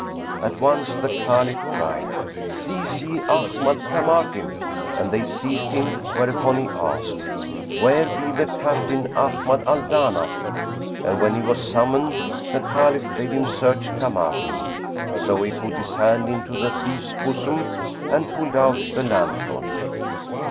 At once the Caliph cried, "Seize ye Ahmad Kamakim!" and they seized him, whereupon he asked, "Where be the Captain, Ahmad al Danaf?" And when he was summoned the Caliph bade him search Kamakim; so he put his hand into the thief's bosom and pulled out the lanthorn.